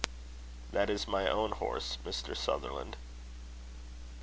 "That is my own horse, Mr. Sutherland."